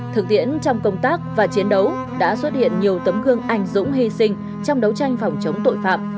thực tiễn trong công tác và chiến đấu đã xuất hiện nhiều tấm gương ảnh dũng hy sinh trong đấu tranh phòng chống tội phạm